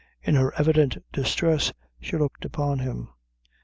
In her evident distress, she looked upon him.